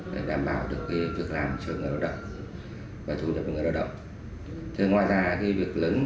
để đảm bảo việc làm cho người lao động và thu nhập người lao động